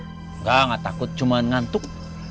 enggak nggak takut cuma ngantuk